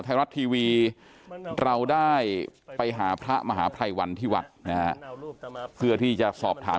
ไทยรัฐทีวีเราได้ไปหาพระมหาภัยวันที่วัดนะฮะเพื่อที่จะสอบถาม